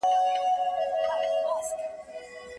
هغه کس رسول الله ته وويل.